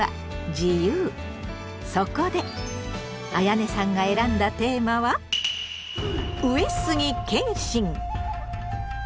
そこであやねさんが選んだテーマは「上杉謙信」！